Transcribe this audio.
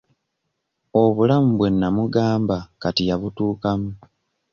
Obulamu bwe nnamugamba kati yabutuukamu.